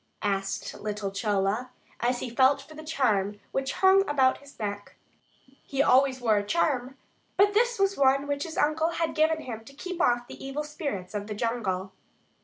asked little Chola, as he felt for the charm which hung about his neck. He always wore a charm, but this was one which his uncle had given him to keep off the evil spirits of the jungle.